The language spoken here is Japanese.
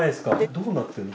どうなってるの？